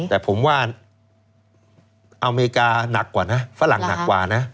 แต่ผมว่าอเมริกาหนักกว่านะฝรั่งหนักกว่านะ